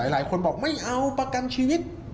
หลายคนบอกไม่เอาประกันชีวิต